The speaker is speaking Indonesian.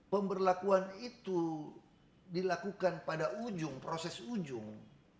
pemberlakuan itu dilakukan pada ujung proses ujung